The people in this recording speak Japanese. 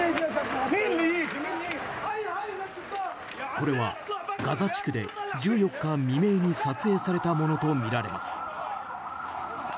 これはガザ地区で１４日未明に撮影されたものとみられます。